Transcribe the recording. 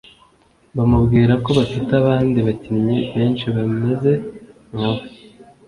bamubwirako bafite abandi bakinnyi benshi bameze nkawe